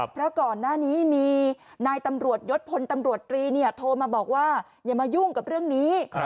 เพราะก่อนหน้านี้มีนายตำรวจยศพลตำรวจตรีโทรมาบอกว่าอย่ามายุ่งกับเรื่องนี้